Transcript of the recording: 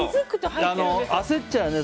焦っちゃうよね。